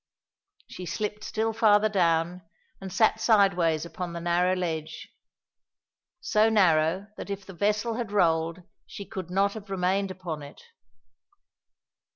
She slipped still farther down and sat sideways upon the narrow ledge. So narrow that if the vessel had rolled she could not have remained upon it.